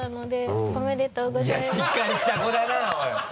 いやしっかりした子だなおい。